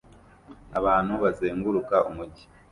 Abantu bazenguruka umujyi